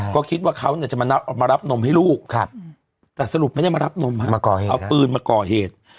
ก็คิดว่าเขาจะมารับนมให้ลูกแต่สรุปไม่ได้มารับนมเอาปืนมาก่อเหตุ